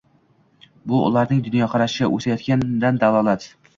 Bu – ularning dunyoqarashi o‘sayotganidan dalolat.